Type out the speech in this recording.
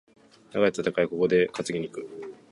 長い戦い、ここで担ぎに行く。